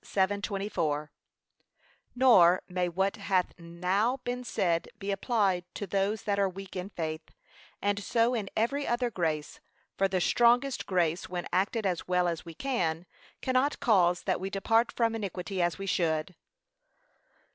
7:24) Nor may what hath now been said be applied to those that are weak in faith, and so in every other grace; for the strongest grace when acted as well as we can, cannot cause that we depart from iniquity as we should.